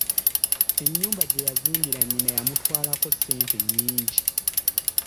Ennyumba gye yazimbira nnyina yamutwalako ssente nyingi!